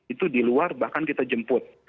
itu di luar bahkan kita jemput